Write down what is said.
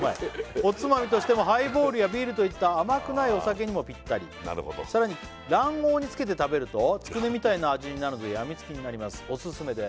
おつまみとしてもハイボールやビールといった甘くないお酒にもぴったりさらに卵黄につけて食べるとつくねみたいな味になるのでやみつきになりますオススメです